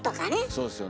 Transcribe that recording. そうですよね。